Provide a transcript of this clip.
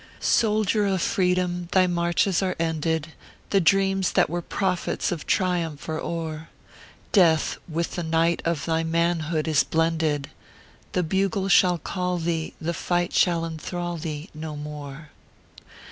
229 Soldier of Freedom, thy marches are ended The dreams that were prophets of triumph are o er Death with the night of thy manhood is blended The bugle shall call thce, the fight shall enthrall thee No more.